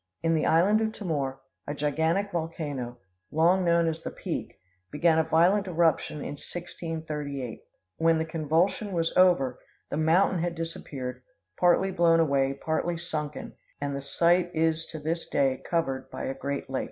In the island of Timor, a gigantic volcano, long known as the Peak, began a violent eruption in 1638. When the convulsion was over the mountain had disappeared; partly blown away, partly sunken, and the site is to this day covered by a great lake.